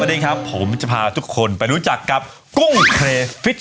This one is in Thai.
สวัสดีครับผมจะพาทุกคนไปรู้จักกับกุ้งเครฟิต